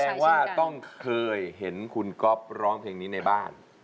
แสดงว่าต้องเคยเห็นคุณก๊อฟร้องเพลงนี้ในบ้าน